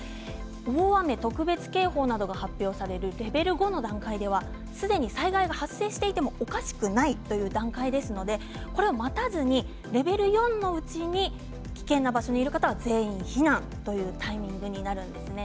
大雨特別警報などが発表されるレベル５の段階ではすでに災害が発生していてもおかしくないという段階ですのでこれを待たずにレベル４のうちに危険な場所にいる方は全員避難というタイミングになるんですね。